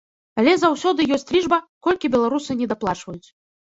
Але заўсёды ёсць лічба, колькі беларусы недаплачваюць.